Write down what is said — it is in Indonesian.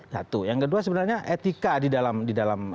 satu yang kedua sebenarnya etika di dalam kita berkomunikasi